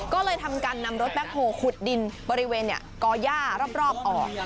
ก็เลยทำการนำรถแม่งูคุดดินบริเวณเนี่ยกอหญ้ารอบออก